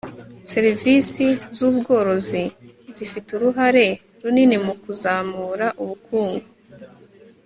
Serivisi z ubworozi zifite uruhare runini mu kuzamura ubukungu